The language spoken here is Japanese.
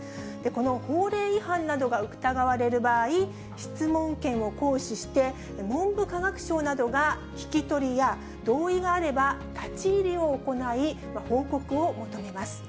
この法令違反などが疑われる場合、質問権を行使して、文部科学省などが聞き取りや、同意があれば立ち入りを行い、報告を求めます。